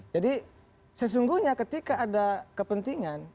jadi sesungguhnya ketika ada kepentingan